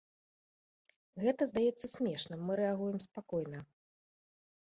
Гэта здаецца смешным, мы рэагуем спакойна.